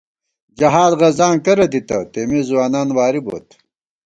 جہاد غزاں کرہ دِتہ تېمےځوانان واری بوت